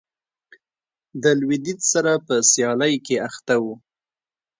د لوېدیځ سره په سیالۍ کې اخته و.